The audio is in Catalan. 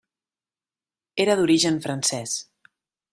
Era d'origen francès.